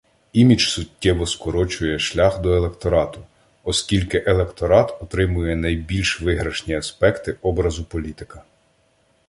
Імідж суттєво скорочує шлях до електорату, оскільки електорат отримує найбільш виграшні аспекти образу політика.